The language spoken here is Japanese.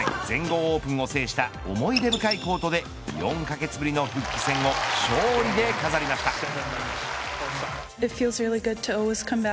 全豪オープンを制した思い出深いコートで４カ月ぶりの復帰戦を勝利で飾りました。